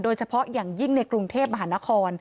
โดยเฉพาะอย่างยิ่งในกรุงเทพมหานคร